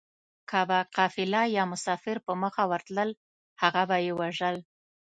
که به قافله يا مسافر په مخه ورتلل هغه به يې وژل